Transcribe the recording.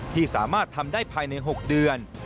ที่สามารถทำได้ภายใน๖เดือน